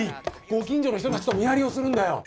ご近所の人たちと見張りをするんだよ。